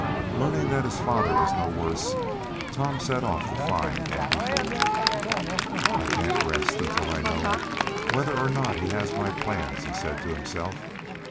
Learning that his father was no worse, Tom set off to find Andy Foger. "I can't rest until I know whether or not he has my plans," he said to himself.